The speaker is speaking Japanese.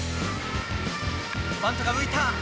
バントが浮いた。